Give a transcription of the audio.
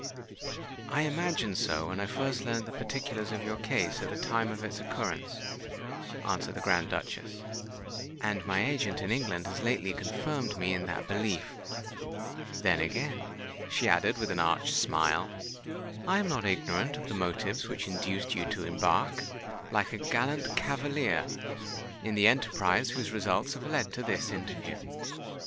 "I imagined so when I first learnt the particulars of your case at the time of its occurrence," answered the Grand Duchess; "and my agent in England has lately confirmed me in that belief. Then, again," she added, with an arch smile, "I am not ignorant of the motives which induced you to embark, like a gallant cavalier, in the enterprise whose results have led to this interview."